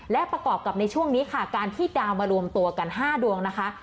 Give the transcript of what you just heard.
และประกอบกับในช่วงนี้ค่ะการที่ดาวมารวมตัวกัน๕ดวงนะคะ